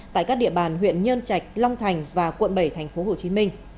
tại các địa bàn huyện nhơn trạch long thành và quận bảy tp hcm